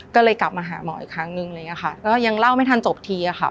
ก็เลยกลับมาหาหมออีกครั้งนึงเลยค่ะแล้วยังเล่าไม่ทันจบทีค่ะ